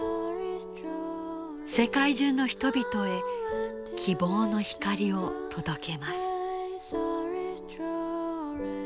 世界中の人々へ希望の光を届けます。